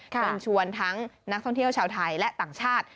เชิญชวนทั้งนักท่องเที่ยวชาวไทยและต่างชาติ